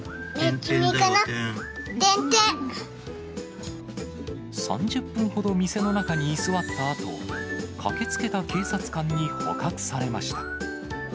テン、３０分ほど店の中に居座ったあと、駆けつけた警察官に捕獲されました。